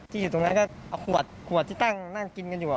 อยู่ตรงนั้นก็เอาขวดขวดที่ตั้งนั่งกินกันอยู่